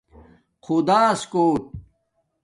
خداس کُوٹ